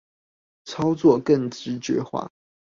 操作更直覺化